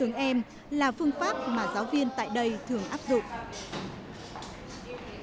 hướng em là phương pháp mà giáo viên tại đây thường áp dụng